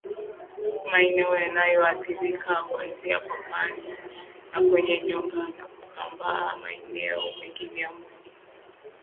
Maeneo yanayoathirika huanzia kwapani na kwenye nyonga na kusambaa maeneo mengine ya mwili